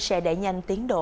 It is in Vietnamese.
sẽ đẩy nhanh tiến độ